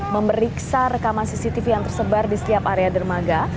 memeriksa rekaman cctv yang tersebar di setiap area dermaga